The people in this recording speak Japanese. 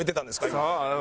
今。